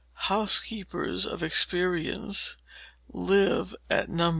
HOUSEKEEPERS of experience live at Nos.